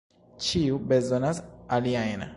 Ĉiu bezonas aliajn.